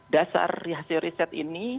dasar hasil riset ini